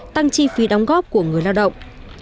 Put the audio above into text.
tăng chi phí đóng góp của người lao động